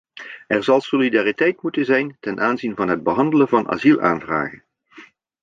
Er zal solidariteit moeten zijn ten aanzien van het behandelen van asielaanvragen.